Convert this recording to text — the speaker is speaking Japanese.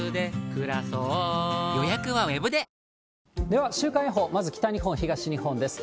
では、週間予報、まず北日本、東日本です。